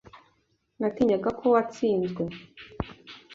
Natinyaga ko watsinzwe.